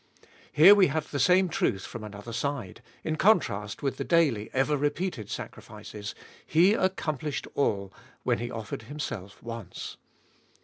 Here we have the same truth from another side : in contrast with the daily ever repeated sacrifices, He accom plished all when He offered Himself once.